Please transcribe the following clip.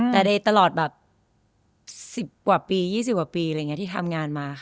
แต่ในตลอด๑๐กว่าปี๒๐กว่าปีที่ทำงานมา